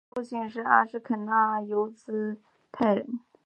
他的父亲是阿什肯纳兹犹太人。